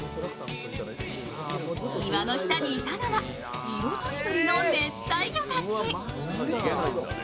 岩の下にいたのは、色とりどりの熱帯魚たち。